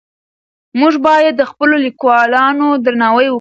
موږ باید د خپلو لیکوالانو درناوی وکړو.